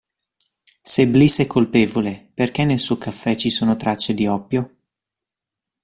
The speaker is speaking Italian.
Se Bliss è colpevole, perché nel suo caffè ci sono tracce di oppio?